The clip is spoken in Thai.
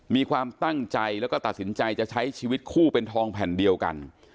มีความตั้งใจแล้วก็ตัดสินใจจะใช้ชีวิตคู่เป็นทองแผ่นเดียวกัน